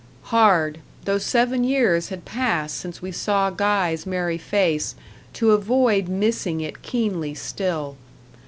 Hard, though seven years had passed since we saw Guy's merry face, to avoid missing it keenly still.